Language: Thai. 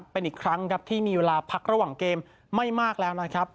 เป็นอีกครั้งครับที่มีเวลาพักระหว่างเกมไม่มากแล้วนะครับ